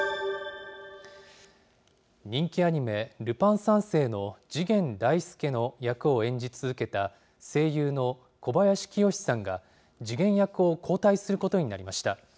人気アニメ、ルパン三世の次元大介の役を演じ続けた声優の小林清志さんが、次元役を交代することになりました。